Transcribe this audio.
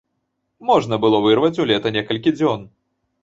Можна было вырваць у лета некалькі дзён.